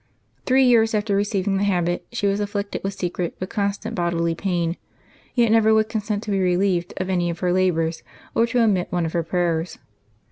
Three 5^ears after receiving the habit she was afflicted with secret but constant bodily pains, yet never would consent to be relieved of any of her labors, or to omit one of her prayers.